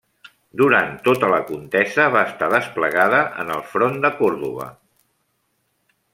Durant tota la contesa va estar desplegada en el front de Còrdova.